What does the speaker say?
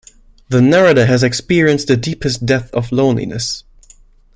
The narrator has experienced the deepest depth of loneliness.